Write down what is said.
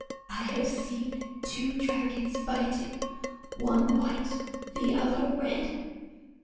'I have seen two dragons fighting one white, the other red.